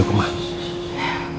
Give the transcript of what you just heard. oh ada yang datang